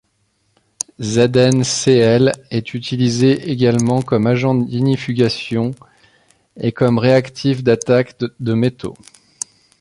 ZnCl est utilisé également comme agent d'ignifugation et comme réactif d'attaque de métaux.